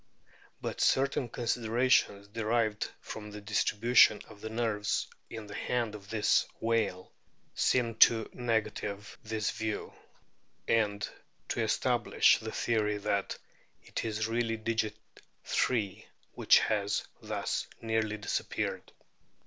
But certain considerations derived from the distribution of the nerves in the hand of this * Op. cit. (on p. 31). 150 A BOOK OF~ WHALES whale seem to negative this view, and to establish the theory that it is really digit III which has thus nearly disappeared.